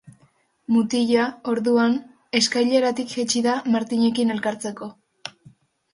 Mutila, orduan, eskaileratik jaitsi da Martinekin elkartzeko.